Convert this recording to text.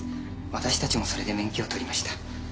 私たちもそれで免許を取りました。